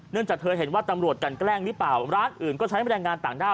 จากเธอเห็นว่าตำรวจกันแกล้งหรือเปล่าร้านอื่นก็ใช้แรงงานต่างด้าว